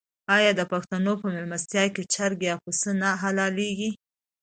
آیا د پښتنو په میلمستیا کې چرګ یا پسه نه حلاليږي؟